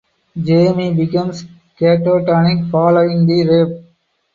Jamie becomes catatonic following the rape.